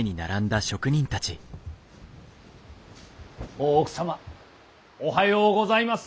大奥様おはようございます。